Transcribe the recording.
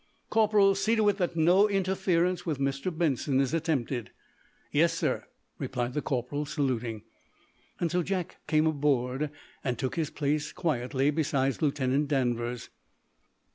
"Corporal, see to it that no interference with Mr. Benson is attempted." "Yes, sir," replied the corporal, saluting. So Jack came aboard, and took his place quietly beside Lieutenant Danvers.